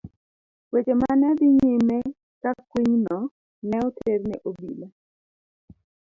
Weche ma ne dhi nyime ka kwinyno ne oter ne obila.